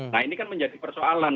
nah ini kan menjadi persoalan